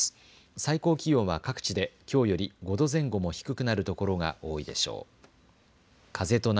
最高気温は各地できょうより５度前後も低くなるところが多いでしょう。